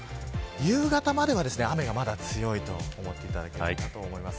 夕方までは雨がまだ強いと思っていただきたいです。